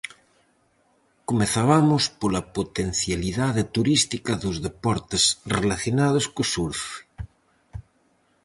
Comezabamos pola potencialidade turística dos deportes relacionados co surf.